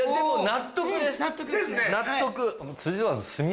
納得。